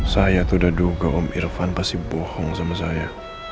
saya tuh udah duga om irfan pasti bohong sama saya